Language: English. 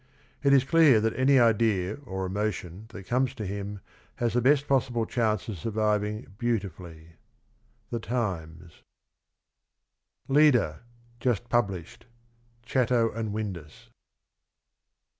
... It is clear that any idea or emotion that comes to him has the best possible chance of surviving beautifully." — The Times. LED A. Just Published. Chatto and Windus.